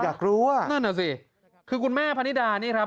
อยากรู้อ่ะนั่นน่ะสิคือคุณแม่พนิดานี่ครับ